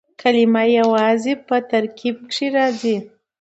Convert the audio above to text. کلیمه یوازي یا په ترکیب کښي راځي.